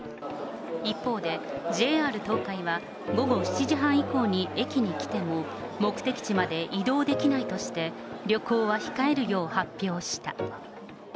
一方で、ＪＲ東海は、午後７時半以降に駅に来ても、目的地まで移動できないとして、旅行は控えるよう発表した。